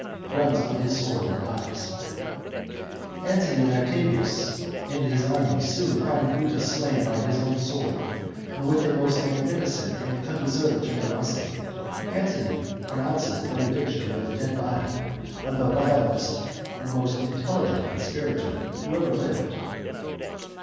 "_ (Runs on his sword and dies.) Antony and Octavius and his army soon find Brutus slain by his own sword, and with a most magnificent and undeserved generosity Antony pronounces this benediction over the dead body of the vilest and most intelligent conspirator who ever lived!